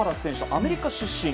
アメリカ出身。